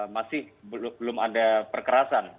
masih belum ada perkerasan